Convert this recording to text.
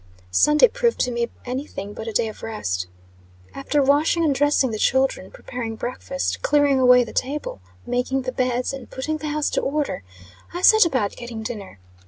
Sunday proved to me any thing but a day of rest. After washing and dressing the children, preparing breakfast, clearing away the table, making the beds, and putting the house to order, I set about getting dinner.